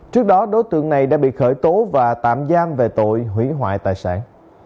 trước đó đối tượng này đã bị khởi tố và tạm giam về tội hủy hoại tài sản